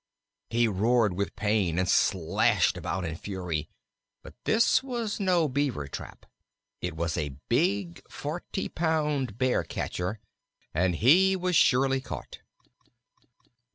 He roared with pain and slashed about in a fury. But this was no Beaver trap; it was a big forty pound Bear catcher, and he was surely caught.